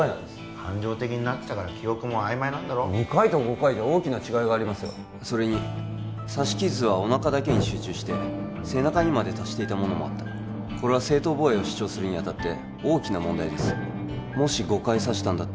感情的になってたから記憶もあいまいなんだろ２回と５回では大きな違いがあるそれに刺し傷はおなかだけに集中して背中にまで達していたものもある正当防衛を主張するにあたって大きな問題ですもし５回刺したんだったら